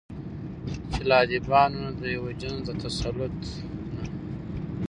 چې له ادبياتو نه د يوه جنس د تسلط نه